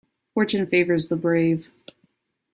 Fortune favours the brave.